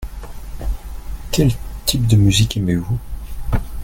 Quel type de musique aimez-vous ?